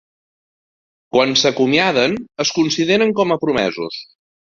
Quan s’acomiaden, es consideren com a promesos.